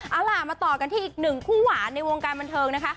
เอาล่ะมาต่อกันที่อีก๑คู่หวานในวงการบรรเทิง